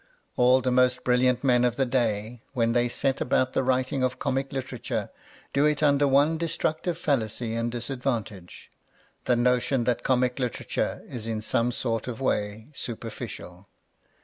All the most brilliant men of the day when they set about the writing of comic literature do it under one destructive fallacy and disad vantage : the notion that comic literature is in some sort of way superficial.